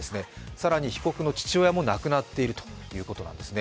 更に被告の父親も亡くなっているということなんですね。